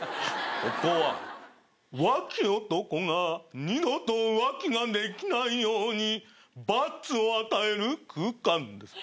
ここは浮気男が二度と浮気ができないように罰を与える空間です。